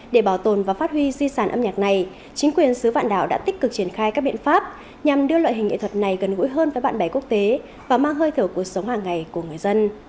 để bảo tồn và phát huy di sản âm nhạc này chính quyền xứ vạn đảo đã tích cực triển khai các biện pháp nhằm đưa loại hình nghệ thuật này gần gũi hơn với bạn bè quốc tế và mang hơi thở cuộc sống hàng ngày của người dân